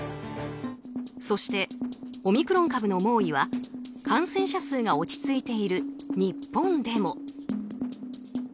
そして、オミクロン株の猛威は感染者数が落ち着いている日本でも。